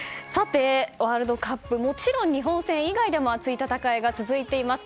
ワールドカップはもちろん日本戦以外でも熱い戦いが続いています。